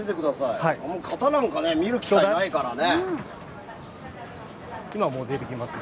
型なんか見る機会ないからね。